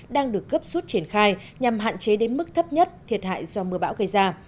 đang được cấp suất triển khai nhằm hạn chế đến mức thấp nhất thiệt hại do mưa bão gây ra